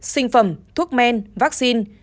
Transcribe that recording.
sinh phẩm thuốc men vaccine